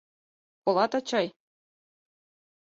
Колат, ачай?